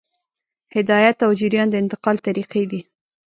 هدایت او جریان د انتقال طریقې دي.